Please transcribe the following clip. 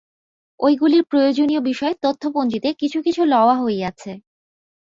ঐগুলির প্রয়োজনীয় বিষয় তথ্যপঞ্জীতে কিছু কিছু লওয়া হইয়াছে।